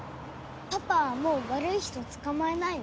パパはもう悪い人捕まえないの？